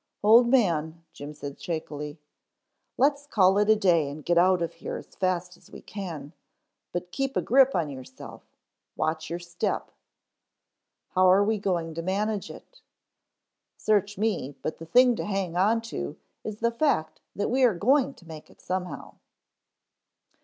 "Old Man," Jim said shakily. "Let's call it a day and get out of here as fast as we can, but keep a grip on yourself; watch your step." "How are we going to manage it?" "Search me, but the thing to hang on to is the fact that we are going to make it somehow."